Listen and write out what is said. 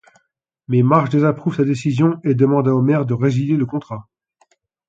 Mais Marge désapprouve sa décision et demande à Homer de résilier le contrat.